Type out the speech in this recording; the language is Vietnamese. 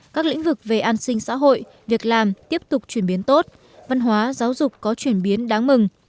các lĩnh vực về an sinh xã hội việc làm tiếp tục chuyển biến tốt văn hóa giáo dục có chuyển biến đáng mừng